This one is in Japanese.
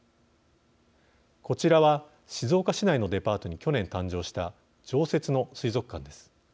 こちらは静岡市内のデパートに去年誕生した常設の水族館です。